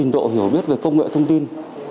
độ hiểu biết về công nghệ thông tin